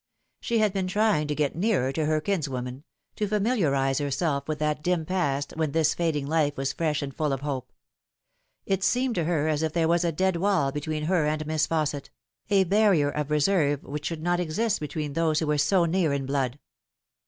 She had been trying to get nearer to her kinswoman, to S20 The Fatal Three. familiarise herself with that dim past when this fading life was fresh and full of hope. It seemed to her as if there was a dead wall between her and Miss Fausset a barrier of reserve which should not exist between those who were so near in blood.